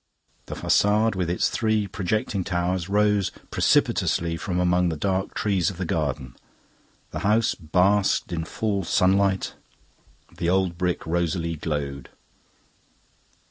The facade with its three projecting towers rose precipitously from among the dark trees of the garden. The house basked in full sunlight; the old brick rosily glowed.